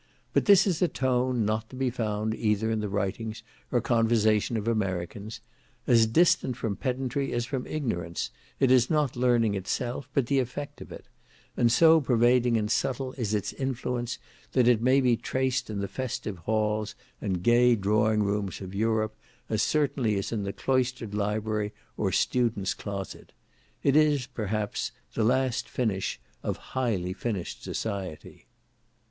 But this is a tone not to be found either in the writings or conversation of Americans; as distant from pedantry as from ignorance, it is not learning itself, but the effect of it; and so pervading and subtle is its influence that it may be traced in the festive halls and gay drawing rooms of Europe as certainly as in the cloistered library or student's closet; it is, perhaps, the last finish of highly finished society.